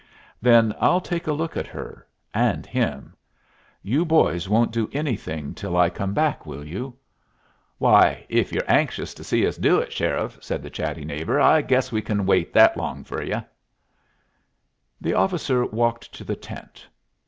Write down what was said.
"Then I'll take a look at her and him. You boys won't do anything till I come back, will you?" "Why, if ye're so anxious to see us do it, sheriff," said the chatty neighbor, "I guess we can wait that long fer ye." The officer walked to the tent.